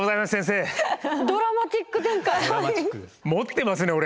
持ってますね俺。